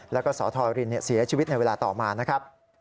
แล้วก็สธรินเสียชีวิตในเวลาต่อมานะครับ